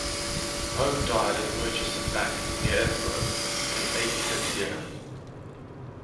Home died at Merchiston Bank, near Edinburgh, in his eighty-sixth year.